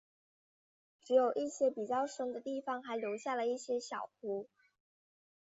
只有一些比较深的地方还留下了一些小湖。